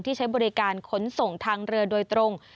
ใช้บริการขนส่งทางเรือโดยตรง